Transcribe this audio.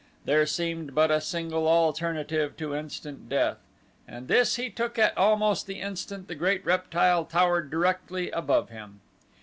There seemed but a single alternative to instant death, and this he took at almost the instant the great reptile towered directly above him.